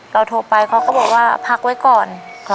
โทรไปเขาก็บอกว่าพักไว้ก่อน